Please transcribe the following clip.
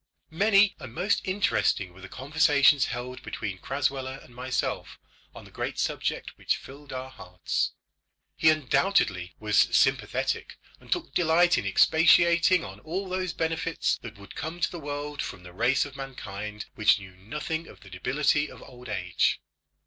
Many and most interesting were the conversations held between Crasweller and myself on the great subject which filled our hearts. He undoubtedly was sympathetic, and took delight in expatiating on all those benefits that would come to the world from the race of mankind which knew nothing of the debility of old age.